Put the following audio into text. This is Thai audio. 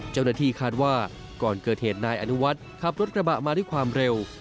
เจ้าหน้าที่คาดว่าก่อนเกิดเหตุนายอนุวัฒน์ขับรถกระบะมาด้วยความเร็ว